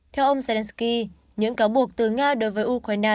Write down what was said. theo ông zelensky những cáo buộc từ nga đối với ukraine